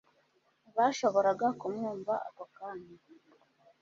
ntibashoboraga ku mwumva ako kanya